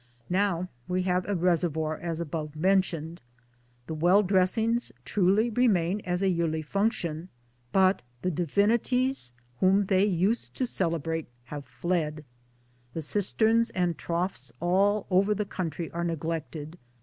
Now we have a reser voir as above mentioned. The Well dressings truly remain as a yearly function ; but the divinities whom they used to celebrate have fled. The cisterns and troughs all over the country are neglected.